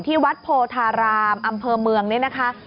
ที่วัดโพธารามอำเภอเมืองนี่นะคะ